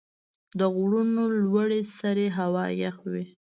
د غرونو لوړې سرې هوا یخ وي.